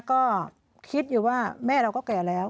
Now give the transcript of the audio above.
ก็คิดอยู่ว่าแม่เราก็แก่แล้ว